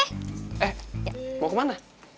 eh mau kemana